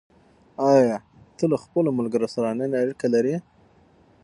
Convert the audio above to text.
آیا ته له خپلو ملګرو سره آنلاین اړیکه لرې؟